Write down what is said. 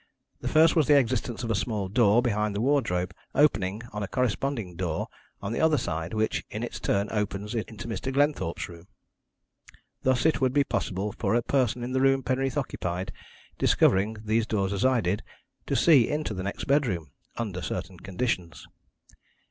The first was the existence of a small door, behind the wardrobe, opening on a corresponding door on the other side, which in its turn opens into Mr. Glenthorpe's room. Thus it would be possible for a person in the room Penreath occupied, discovering these doors as I did, to see into the next bedroom under certain conditions.